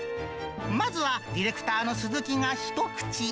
まずはディレクターのすずきが一口。